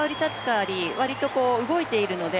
わりと動いているので